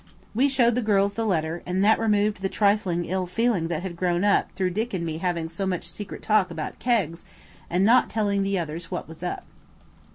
We showed the girls the letter, and that removed the trifling ill feeling that had grown up through Dick and me having so much secret talk about kegs and not telling the others what was up.